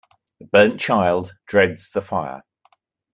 A burnt child dreads the fire.